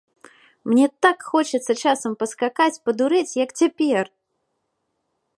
Мне так хочацца часам паскакаць, падурэць, як цяпер!